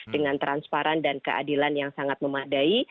dengan transparan dan keadilan yang sangat memadai